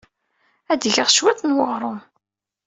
Ad d-geɣ cwiṭ n weɣrum.